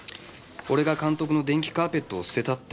俺が監督の電気カーペットを捨てたって。